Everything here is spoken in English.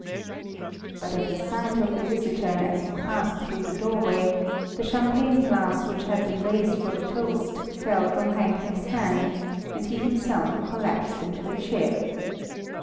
But at the sight of the visitor, as he passed through the doorway, the champagne glass which had been raised for the toast fell from Heinrich's hand, and he himself collapsed into a chair.